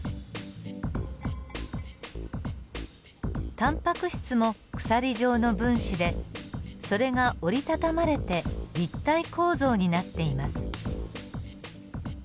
タンパク質も鎖状の分子でそれが折り畳まれて立体構造になっています。